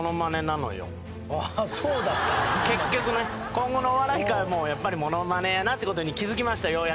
今後のお笑い界はやっぱりものまねやなってことに気付きましたようやく。